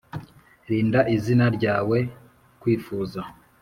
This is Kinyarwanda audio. Rinda izina ryawe we kwifuza